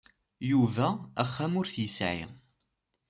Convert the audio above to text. Yuba axxam ur t-yesɛi.